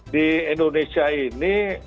di indonesia ini